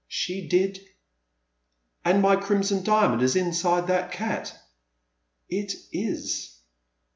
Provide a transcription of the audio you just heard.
She did." '*And my Crimson Diamond is inside that cat?" Itis."